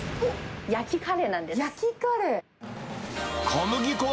焼きカレーなんです。